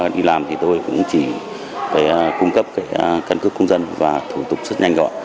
đi làm tôi cũng chỉ cung cấp căn cước công dân và thủ tục rất nhanh gọi